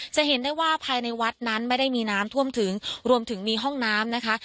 จะเห็นได้ว่าภายในวัดนั้นไม่ได้มีน้ำท่วมถึงรวมถึงมีห้องน้ำนะคะ